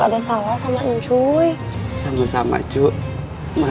dia membawa suku